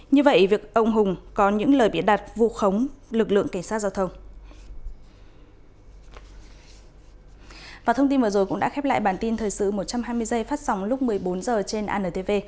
như vậy việc ông hùng có những lời biển đặt vụ khống lực lượng cảnh sát giao thông